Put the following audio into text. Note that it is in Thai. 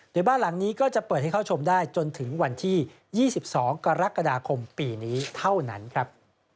โดยบ้านหลังนี้ก็จะเปิดให้เข้าชมได้จนถึงวันที่๒๒กรกฎาคมปีนี้เท่านั้นครับ